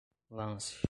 lance